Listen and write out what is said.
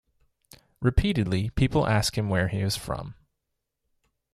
Repeatedly, people ask him where he is from.